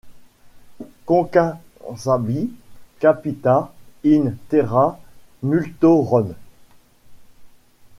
Conquassabit capita in terra multorum!